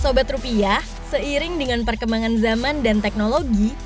sobat rupiah seiring dengan perkembangan zaman dan teknologi